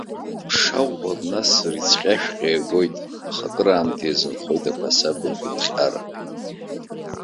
Ԥша ӷәӷәак насыр, ицҟьашәҟьа иагоит, аха акраамҭа иазынхоит ақәасаб агәыҭҟьара.